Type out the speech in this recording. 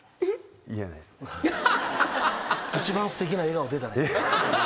一番すてきな笑顔出たね。